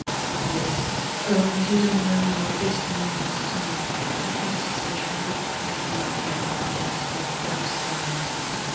"Yes." "Oh, you don't know what this means to me." I had a suspicion, but held my peace and let her rhapsodize.